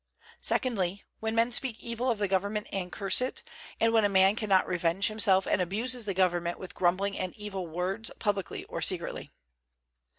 Secondly, when men speak evil of the government and curse it, and when a man cannot revenge himself and abuses the government with grumbling and evil words, publicly or secretly.